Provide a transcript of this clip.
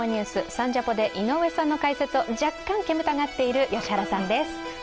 「サンジャポ」で井上さんの解説を若干、煙たがっている良原さんです。